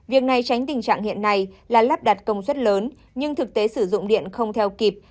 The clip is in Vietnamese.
việc này tránh tình trạng hiện nay là lắp đặt công suất lớn nhưng thực tế sử dụng điện không theo kịp